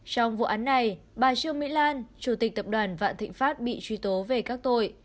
trong vụ án này bà trương mỹ lan chủ tịch tập đoàn vạn thịnh pháp bị truy tố về các tội